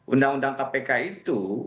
undang undang kpk itu